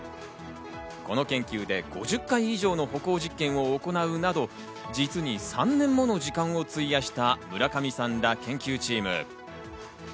この研究で５０回以上の歩行実験を行うなど、実に３年もの時間を費やした村上さんら研究チーム。